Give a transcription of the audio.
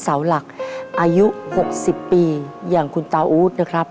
เสาหลักอายุ๖๐ปีอย่างคุณตาอู๊ดนะครับ